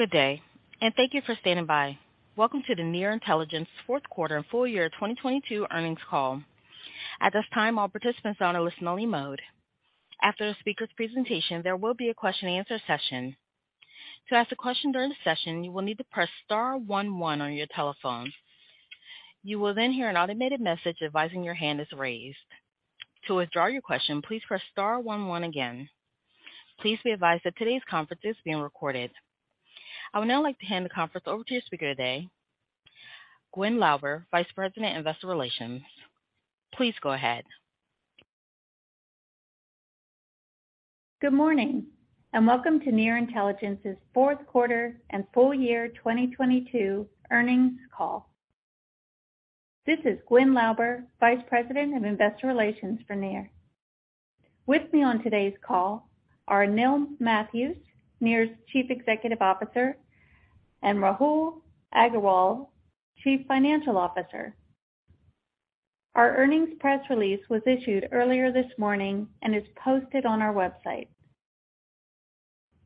Good day, and thank you for standing by. Welcome to the Near Intelligence fourth quarter and full year 2022 earnings call. At this time, all participants are on a listen only mode. After the speaker's presentation, there will be a question and answer session. To ask a question during the session, you will need to press star one one on your telephone. You will then hear an automated message advising your hand is raised. To withdraw your question, please press star one one again. Please be advised that today's conference is being recorded. I would now like to hand the conference over to your speaker today, Gwyn Lauber, Vice President, Investor Relations. Please go ahead. Good morning, welcome to Near Intelligence's fourth quarter and full year 2022 earnings call. This is Gwyn Lauber, Vice President of Investor Relations for Near. With me on today's call are Anil Mathews, Near's Chief Executive Officer, and Rahul Agarwal, Chief Financial Officer. Our earnings press release was issued earlier this morning and is posted on our website.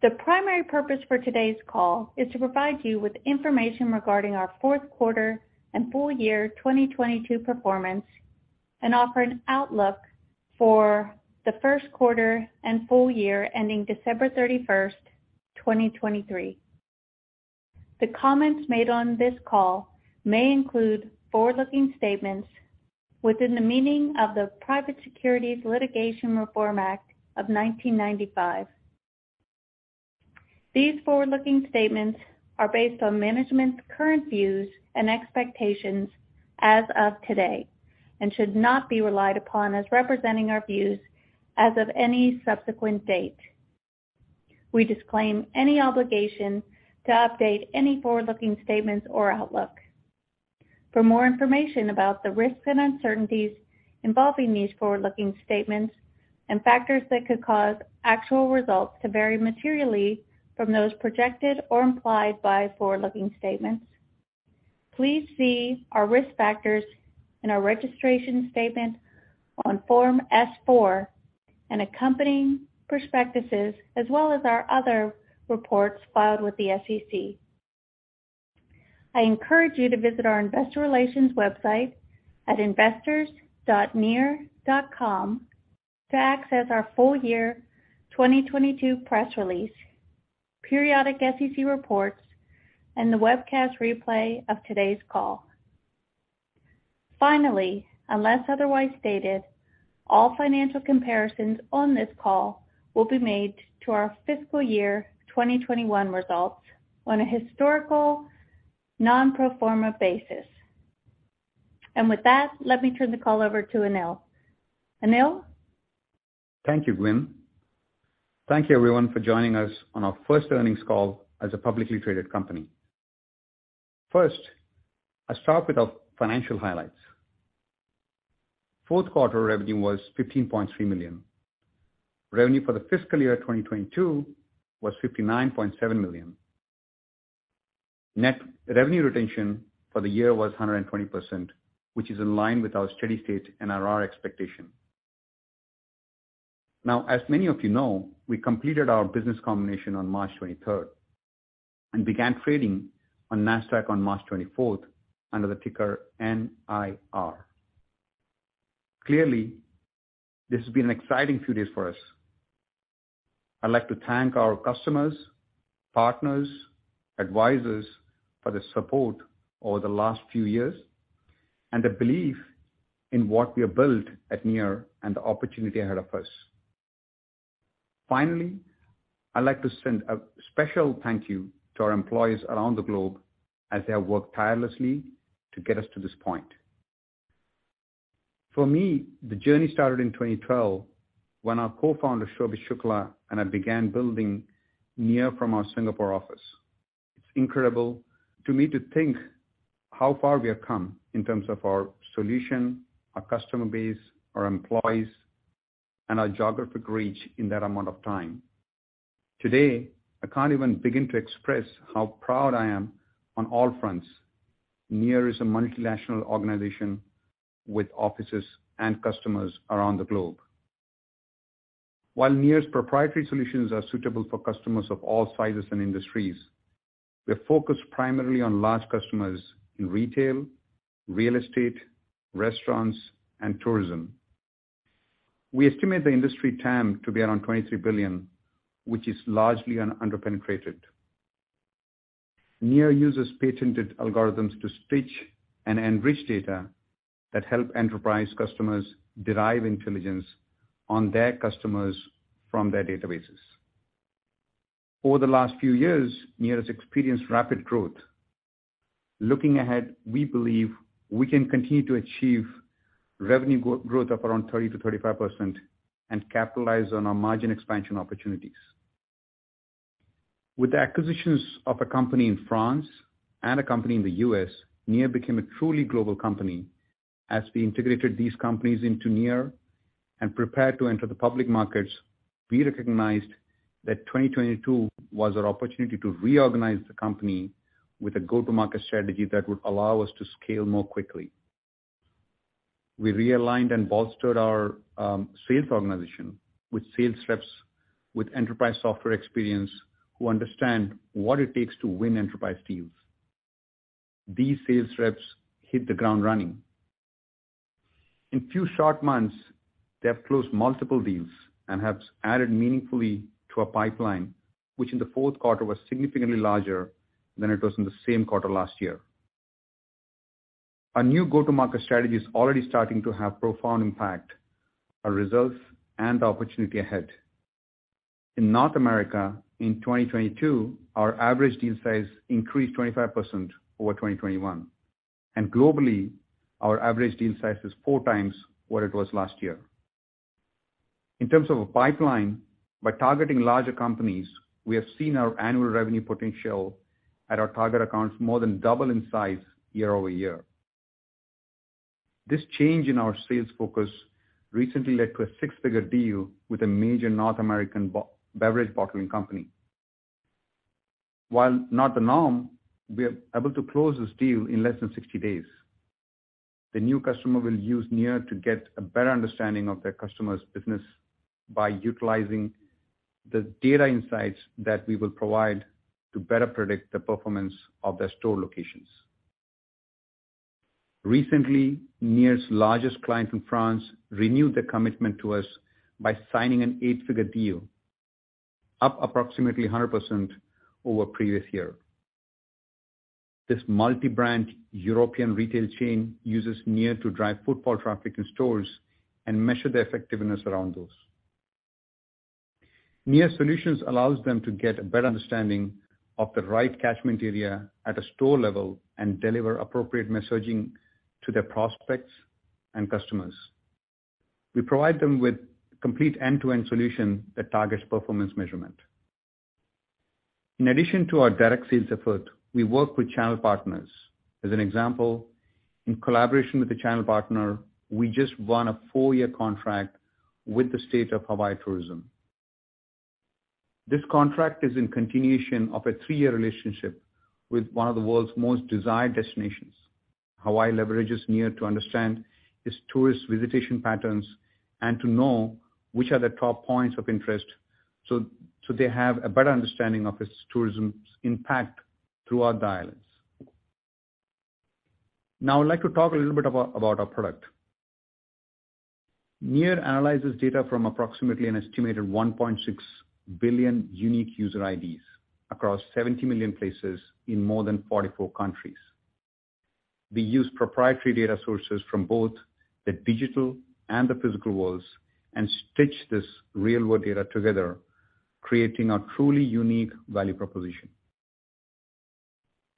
The primary purpose for today's call is to provide you with information regarding our fourth quarter and full year 2022 performance, and offer an outlook for the first quarter and full year ending December 31st, 2023. The comments made on this call may include forward-looking statements within the meaning of the Private Securities Litigation Reform Act of 1995. These forward-looking statements are based on management's current views and expectations as of today, and should not be relied upon as representing our views as of any subsequent date. We disclaim any obligation to update any forward-looking statements or outlook. For more information about the risks and uncertainties involving these forward-looking statements and factors that could cause actual results to vary materially from those projected or implied by forward-looking statements, please see our risk factors in our registration statement on Form S-4 and accompanying prospectuses, as well as our other reports filed with the SEC. I encourage you to visit our investor relations website at investors.near.com to access our full year 2022 press release, periodic SEC reports, and the webcast replay of today's call. Finally, unless otherwise stated, all financial comparisons on this call will be made to our fiscal year 2021 results on a historical non-pro forma basis. With that, let me turn the call over to Anil. Anil? Thank you, Gwyn. Thank you everyone for joining us on our first earnings call as a publicly traded company. I'll start with our financial highlights. Fourth quarter revenue was $15.3 million. Revenue for the fiscal year 2022 was $59.7 million. Net revenue retention for the year was 120%, which is in line with our steady state NRR expectation. As many of you know, we completed our business combination on March 23rd and began trading on NASDAQ on March 24th under the ticker NIR. This has been an exciting few days for us. I'd like to thank our customers, partners, advisors for their support over the last few years and the belief in what we have built at Near and the opportunity ahead of us. I'd like to send a special thank you to our employees around the globe as they have worked tirelessly to get us to this point. For me, the journey started in 2012 when our Co-Founder, Shobhit Shukla, and I began building Near from our Singapore office. It's incredible to me to think how far we have come in terms of our solution, our customer base, our employees, and our geographic reach in that amount of time. Today, I can't even begin to express how proud I am on all fronts. Near is a multinational organization with offices and customers around the globe. While Near's proprietary solutions are suitable for customers of all sizes and industries, we are focused primarily on large customers in retail, real estate, restaurants, and tourism. We estimate the industry TAM to be around $23 billion, which is largely under-penetrated. Near uses patented algorithms to stitch and enrich data that help enterprise customers derive intelligence on their customers from their databases. Over the last few years, Near has experienced rapid growth. Looking ahead, we believe we can continue to achieve revenue growth of around 30%-35% and capitalize on our margin expansion opportunities. With the acquisitions of a company in France and a company in the U.S., Near became a truly global company. As we integrated these companies into Near and prepared to enter the public markets, we recognized that 2022 was our opportunity to reorganize the company with a go-to-market strategy that would allow us to scale more quickly. We realigned and bolstered our sales organization with sales reps with enterprise software experience who understand what it takes to win enterprise deals. These sales reps hit the ground running. In few short months, they have closed multiple deals and have added meaningfully to our pipeline, which in the fourth quarter was significantly larger than it was in the same quarter last year. Our new go-to-market strategy is already starting to have profound impact, our results and the opportunity ahead. In North America in 2022, our average deal size increased 25% over 2021. Globally, our average deal size is 4x what it was last year. In terms of a pipeline, by targeting larger companies, we have seen our annual revenue potential at our target accounts more than double in size year-over-year. This change in our sales focus recently led to a six-figure deal with a major North American beverage bottling company. While not the norm, we are able to close this deal in less than 60 days. The new customer will use Near to get a better understanding of their customer's business by utilizing the data insights that we will provide to better predict the performance of their store locations. Recently, Near's largest client in France renewed their commitment to us by signing an eight-figure deal, up approximately 100% over previous year. This multi-brand European retail chain uses Near to drive footfall traffic in stores and measure the effectiveness around those. Near solutions allows them to get a better understanding of the right catchment area at a store level and deliver appropriate messaging to their prospects and customers. We provide them with complete end-to-end solution that targets performance measurement. In addition to our direct sales effort, we work with channel partners. As an example, in collaboration with a channel partner, we just won a four-year contract with the State of Hawaiʻi Tourism. This contract is in continuation of a three-year relationship with one of the world's most desired destinations. Hawaiʻi leverages Near to understand its tourist visitation patterns and to know which are the top points of interest, so they have a better understanding of its tourism's impact throughout the islands. I'd like to talk a little bit about our product. Near analyzes data from approximately an estimated 1.6 billion unique user IDs across 70 million places in more than 44 countries. We use proprietary data sources from both the digital and the physical worlds and stitch this real-world data together, creating a truly unique value proposition.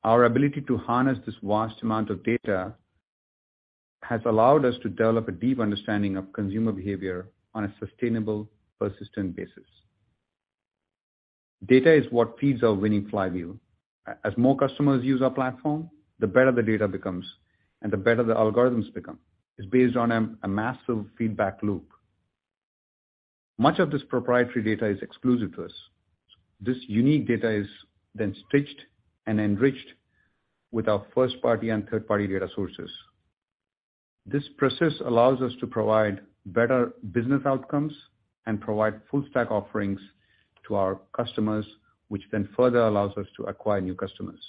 Our ability to harness this vast amount of data has allowed us to develop a deep understanding of consumer behavior on a sustainable, persistent basis. Data is what feeds our winning flywheel. As more customers use our platform, the better the data becomes, and the better the algorithms become. It's based on a massive feedback loop. Much of this proprietary data is exclusive to us. This unique data is then stitched and enriched with our first-party and third-party data sources. This process allows us to provide better business outcomes and provide full stack offerings to our customers, which then further allows us to acquire new customers.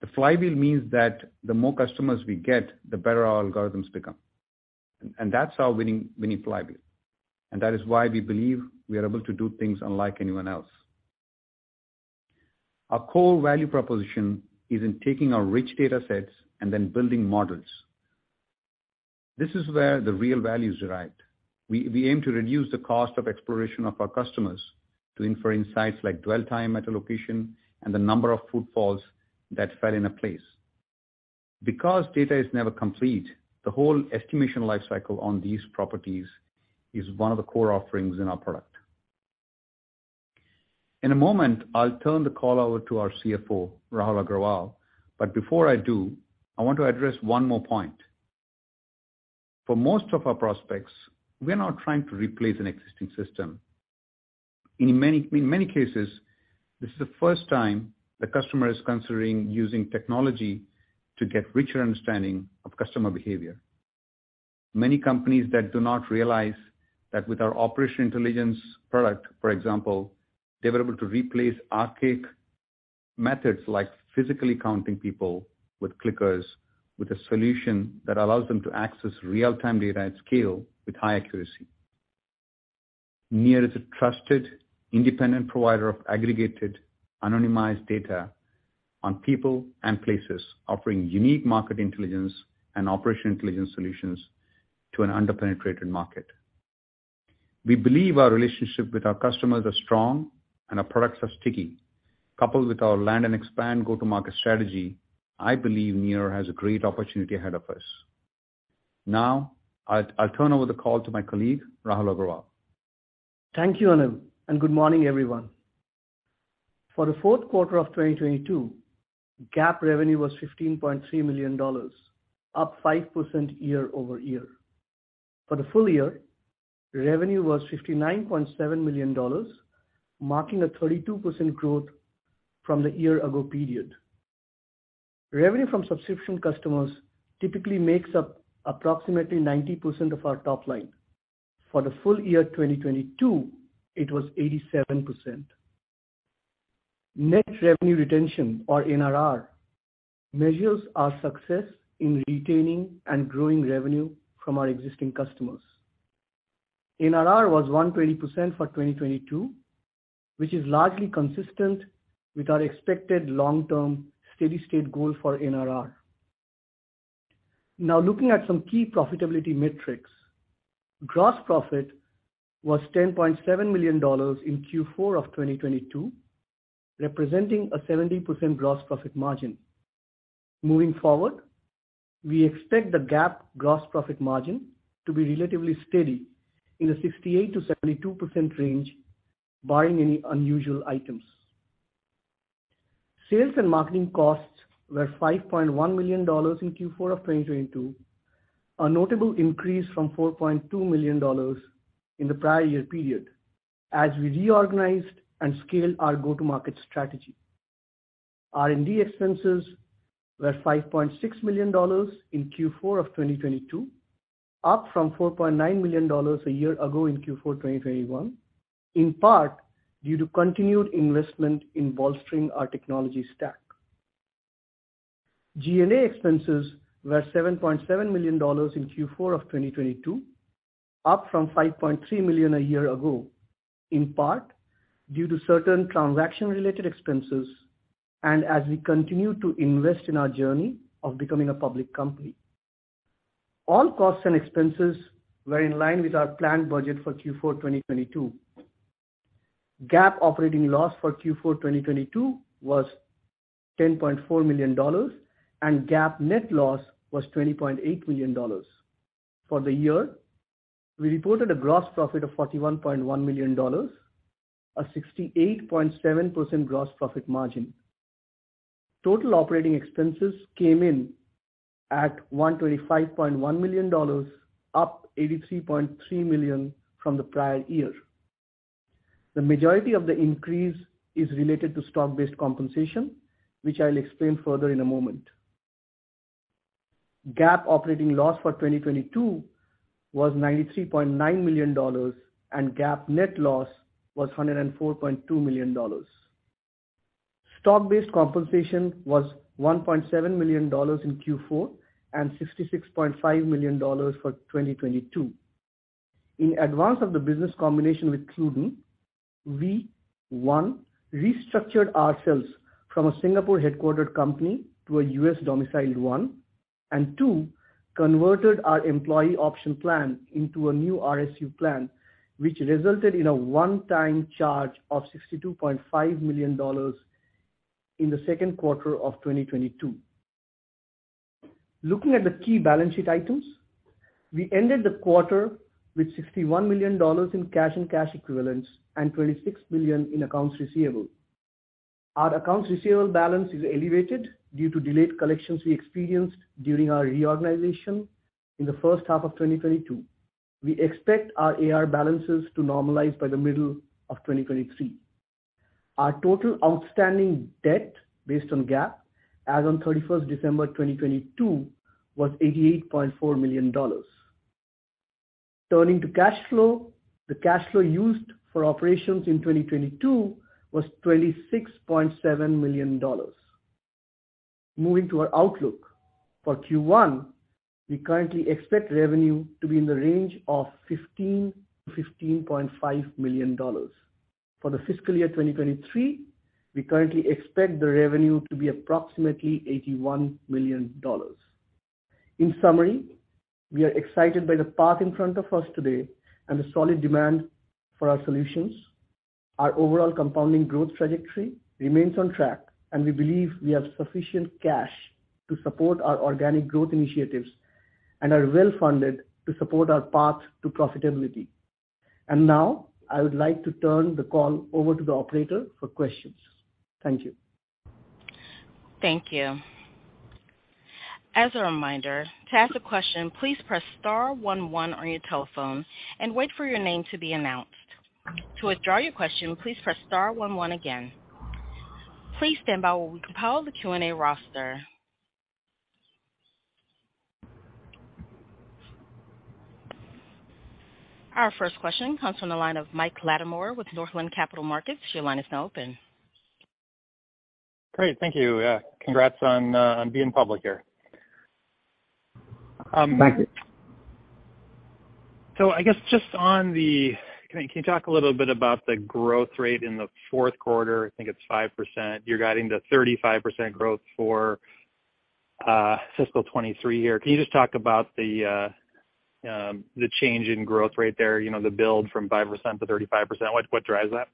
The flywheel means that the more customers we get, the better our algorithms become. That's our winning flywheel, and that is why we believe we are able to do things unlike anyone else. Our core value proposition is in taking our rich datasets and then building models. This is where the real value is derived. We aim to reduce the cost of exploration of our customers to infer insights like dwell time at a location and the number of footfalls that fell in a place. Because data is never complete, the whole estimation lifecycle on these properties is one of the core offerings in our product. In a moment, I'll turn the call over to our CFO, Rahul Agarwal, but before I do, I want to address one more point. For most of our prospects, we're not trying to replace an existing system. In many cases, this is the first time the customer is considering using technology to get richer understanding of customer behavior. Many companies that do not realize that with our operational intelligence product, for example, they're able to replace archaic methods like physically counting people with clickers, with a solution that allows them to access real-time data at scale with high accuracy. Near is a trusted, independent provider of aggregated, anonymized data on people and places, offering unique market intelligence and operational intelligence solutions to an under-penetrated market. We believe our relationship with our customers are strong, and our products are sticky. Coupled with our land and expand go-to-market strategy, I believe Near has a great opportunity ahead of us. Now, I'll turn over the call to my colleague, Rahul Agarwal. Thank you, Anil. Good morning, everyone. For the fourth quarter of 2022, GAAP revenue was $15.3 million, up 5% year-over-year. For the full year, revenue was $59.7 million, marking a 32% growth from the year ago period. Revenue from subscription customers typically makes up approximately 90% of our top line. For the full year 2022, it was 87%. Net revenue retention, or NRR, measures our success in retaining and growing revenue from our existing customers. NRR was 120% for 2022, which is largely consistent with our expected long-term steady-state goal for NRR. Looking at some key profitability metrics. Gross profit was $10.7 million in Q4 of 2022, representing a 70% gross profit margin. Moving forward, we expect the GAAP gross profit margin to be relatively steady in the 68%-72% range, barring any unusual items. Sales and marketing costs were $5.1 million in Q4 of 2022, a notable increase from $4.2 million in the prior year period, as we reorganized and scaled our go-to-market strategy. R&D expenses were $5.6 million in Q4 of 2022, up from $4.9 million a year ago in Q4 2021, in part due to continued investment in bolstering our technology stack. G&A expenses were $7.7 million in Q4 of 2022, up from $5.3 million a year ago, in part due to certain transaction-related expenses and as we continue to invest in our journey of becoming a public company. All costs and expenses were in line with our planned budget for Q4 2022. GAAP operating loss for Q4 2022 was $10.4 million, and GAAP net loss was $20.8 million. For the year, we reported a gross profit of $41.1 million, a 68.7% gross profit margin. Total operating expenses came in at $125.1 million, up $83.3 million from the prior year. The majority of the increase is related to stock-based compensation, which I'll explain further in a moment. GAAP operating loss for 2022 was $93.9 million, and GAAP net loss was $104.2 million. Stock-based compensation was $1.7 million in Q4 and $66.5 million for 2022. In advance of the business combination with KludeIn, we, one, restructured ourselves from a Singapore-headquartered company to a U.S.-domiciled one, and two, converted our employee option plan into a new RSU plan, which resulted in a one-time charge of $62.5 million in the second quarter of 2022. Looking at the key balance sheet items, we ended the quarter with $61 million in cash and cash equivalents and $26 million in accounts receivable. Our accounts receivable balance is elevated due to delayed collections we experienced during our reorganization in the first half of 2022. We expect our AR balances to normalize by the middle of 2023. Our total outstanding debt based on GAAP as on 31st December 2022 was $88.4 million. Turning to cash flow, the cash flow used for operations in 2022 was $26.7 million. Moving to our outlook. For Q1, we currently expect revenue to be in the range of $15 million-$15.5 million. For the fiscal year 2023, we currently expect the revenue to be approximately $81 million. In summary, we are excited by the path in front of us today and the solid demand for our solutions. Our overall compounding growth trajectory remains on track, and we believe we have sufficient cash to support our organic growth initiatives and are well funded to support our path to profitability. Now I would like to turn the call over to the operator for questions. Thank you. Thank you. As a reminder, to ask a question, please press star one one on your telephone and wait for your name to be announced. To withdraw your question, please press star one one again. Please stand by while we compile the Q&A roster. Our first question comes from the line of Michael Latimore with Northland Capital Markets. Your line is now open. Great. Thank you. Congrats on being public here. Thank you. Can you talk a little bit about the growth rate in the fourth quarter? I think it's 5%. You're guiding to 35% growth for fiscal 2023 here. Can you just talk about the change in growth rate there, you know, the build from 5%-35%? What drives that?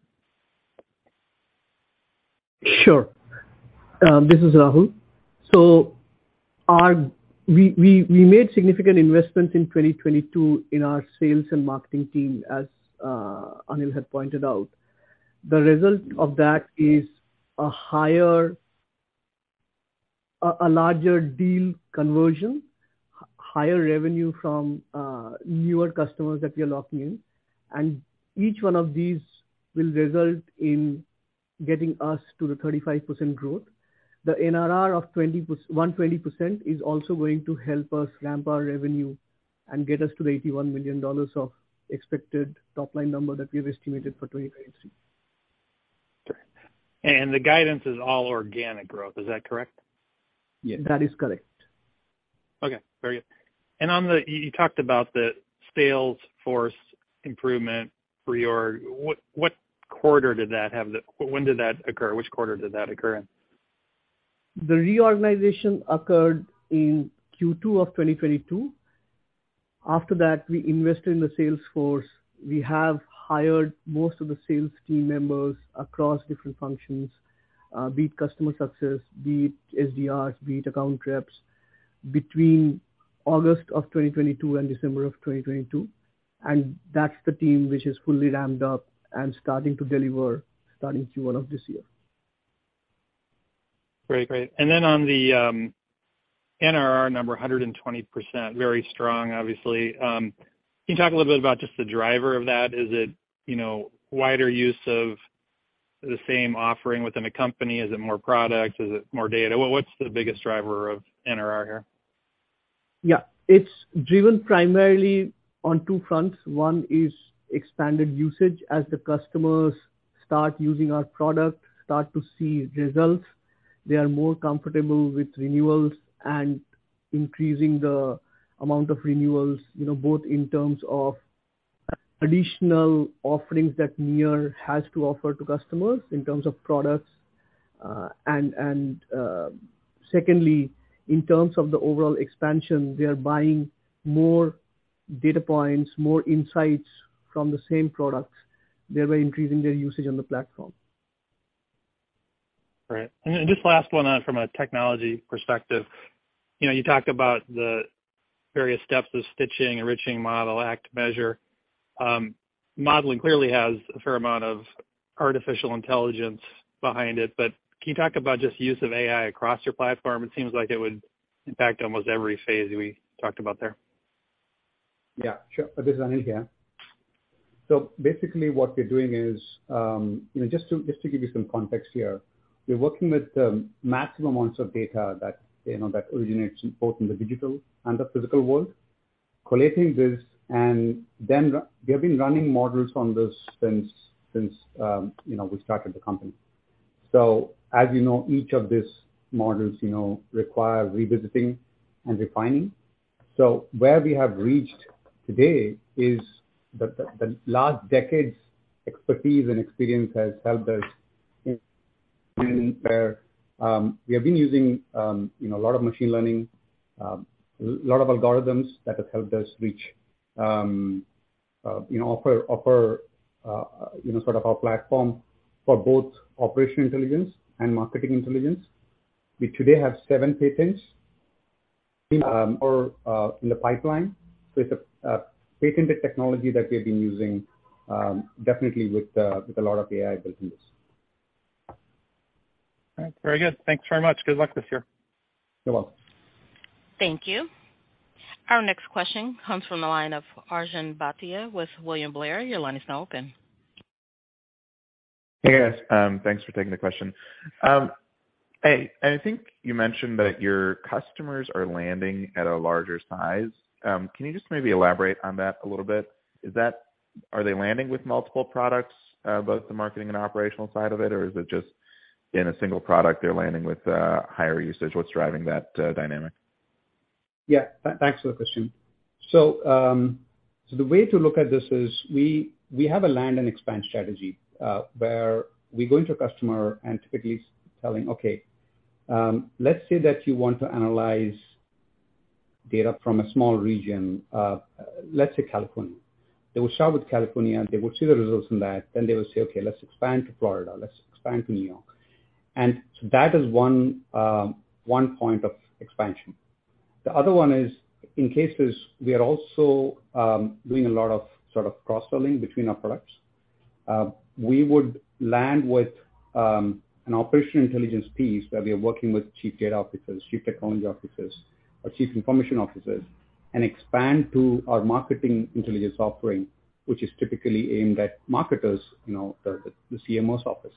Sure. This is Rahul. We made significant investments in 2022 in our sales and marketing team, as Anil had pointed out. The result of that is a higher A larger deal conversion, higher revenue from newer customers that we are locking in. Each one of these will result in getting us to the 35% growth. The NRR of 120% is also going to help us ramp our revenue and get us to the $81 million of expected top line number that we've estimated for 2023. Okay. The guidance is all organic growth. Is that correct? Yeah, that is correct. Okay, very good. You talked about the sales force improvement reorg. When did that occur? Which quarter did that occur in? The reorganization occurred in Q2 of 2022. After that, we invested in the sales force. We have hired most of the sales team members across different functions, be it customer success, be it SDRs, be it account reps, between August of 2022 and December of 2022. That's the team which is fully ramped up and starting to deliver starting Q1 of this year. Great. Great. Then on the NRR number, 120%, very strong, obviously. Can you talk a little bit about just the driver of that? Is it, you know, wider use of the same offering within the company? Is it more products? Is it more data? What's the biggest driver of NRR here? It's driven primarily on two fronts. One is expanded usage. As the customers start using our product, start to see results, they are more comfortable with renewals and increasing the amount of renewals, you know, both in terms of additional offerings that Near has to offer to customers in terms of products. Secondly, in terms of the overall expansion, they are buying more data points, more insights from the same products. They are increasing their usage on the platform. Right. Just last one from a technology perspective. You know, you talked about the various steps of stitching, enriching model, act, measure. Modeling clearly has a fair amount of artificial intelligence behind it. Can you talk about just use of AI across your platform? It seems like it would impact almost every phase we talked about there. Yeah, sure. This is Anil here. Basically what we're doing is, you know, just to, just to give you some context here, we're working with maximum amounts of data that, you know, that originates both in the digital and the physical world. Collating this, and then we have been running models on this since, you know, we started the company. As you know, each of these models, you know, require revisiting and refining. Where we have reached today is the last decade's expertise and experience has helped us, we have been using, you know, a lot of machine learning, lot of algorithms that have helped us reach, you know, offer, you know, sort of our platform for both operational intelligence and marketing intelligence. We today have seven patents or in the pipeline. It's a patented technology that we've been using, definitely with a lot of AI built in this. All right. Very good. Thanks very much. Good luck this year. You're welcome. Thank you. Our next question comes from the line of Arjun Bhatia with William Blair. Your line is now open. Hey, guys. Thanks for taking the question. Hey, I think you mentioned that your customers are landing at a larger size. Can you just maybe elaborate on that a little bit? Are they landing with multiple products, both the marketing and operational side of it? Or is it just in a single product they're landing with higher usage? What's driving that dynamic? Yeah. Thanks for the question. The way to look at this is we have a land and expand strategy, where we go into a customer and typically telling, "Okay, let's say that you want to analyze data from a small region, let's say California." They will start with California, they will see the results from that. They will say, "Okay, let's expand to Florida, let's expand to New York." That is one point of expansion. The other one is in cases we are also doing a lot of sort of cross-selling between our products. We would land with an operational intelligence piece where we are working with chief data officers, chief technology officers, or chief information officers, and expand to our marketing intelligence offering, which is typically aimed at marketers, you know, the CMOs office.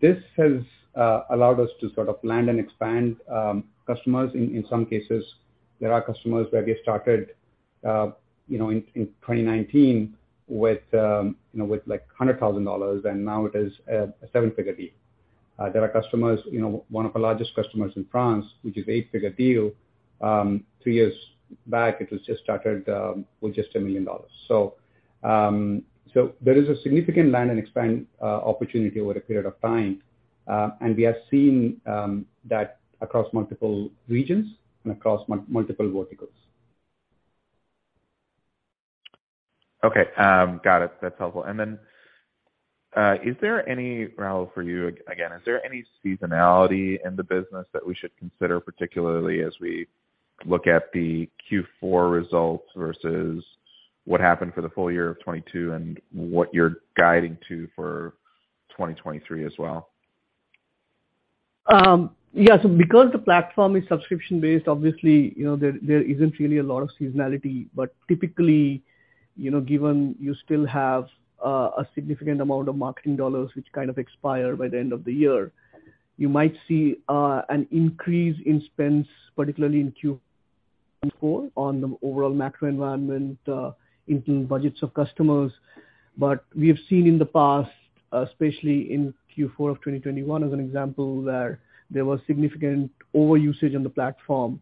This has allowed us to sort of land and expand customers in some cases. There are customers where we have started, you know, in 2019 with, you know, with like $100,000, and now it is a seven-figure deal. There are customers, you know, one of our largest customers in France, which is eight-figure deal, three years back, it was just started with just $1 million. There is a significant land and expand opportunity over a period of time, and we have seen that across multiple regions and across multiple verticals. Okay. Got it. That's helpful. Is there any Rahul, for you, again, is there any seasonality in the business that we should consider, particularly as we look at the Q4 results versus what happened for the full year of 2022 and what you're guiding to for 2023 as well. Yeah. Because the platform is subscription-based, obviously, you know, there isn't really a lot of seasonality. Typically, you know, given you still have a significant amount of marketing dollars which kind of expire by the end of the year, you might see an increase in spends, particularly in Q4 on the overall macro environment, including budgets of customers. We have seen in the past, especially in Q4 of 2021 as an example, where there was significant overusage on the platform,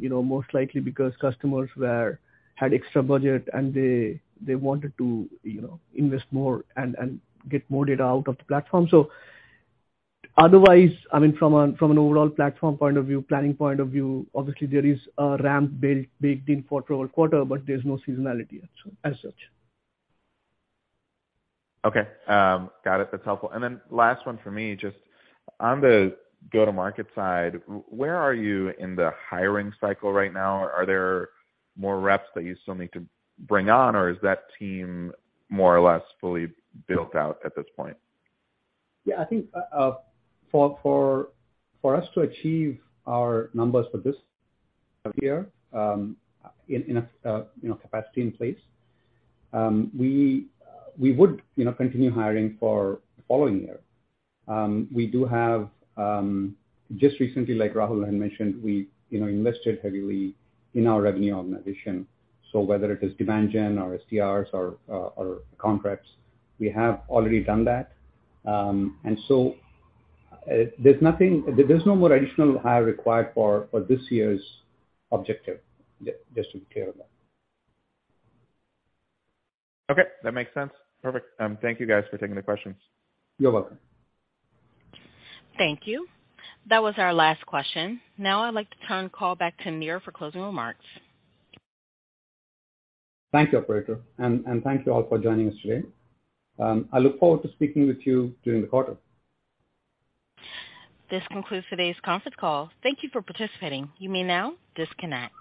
you know, most likely because customers had extra budget, and they wanted to, you know, invest more and get more data out of the platform. Otherwise, I mean, from an overall platform point of view, planning point of view, obviously there is a ramp built, baked in for total quarter, but there's no seasonality as such. Okay. Got it. That's helpful. Last one for me, just on the go-to-market side, where are you in the hiring cycle right now? Are there more reps that you still need to bring on, or is that team more or less fully built out at this point? Yeah, I think, for us to achieve our numbers for this year, in a, you know, capacity in place, we would, you know, continue hiring for the following year. We do have, just recently, like Rahul had mentioned, we, you know, invested heavily in our revenue organization. Whether it is demand gen or SDRs or contracts, we have already done that. There's nothing... There's no more additional hire required for this year's objective, just to be clear about it. Okay, that makes sense. Perfect. Thank you guys for taking the questions. You're welcome. Thank you. That was our last question. Now I'd like to turn the call back to Anil for closing remarks. Thank you, operator. Thank you all for joining us today. I look forward to speaking with you during the quarter. This concludes today's conference call. Thank you for participating. You may now disconnect.